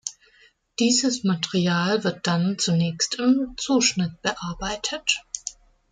Dieses Material wird dann zunächst im Zuschnitt bearbeitet.